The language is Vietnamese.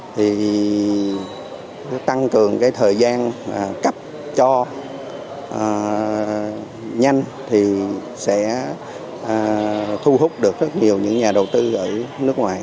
thì tăng cường cái thời gian cấp cho nhanh thì sẽ thu hút được rất nhiều những nhà đầu tư ở nước ngoài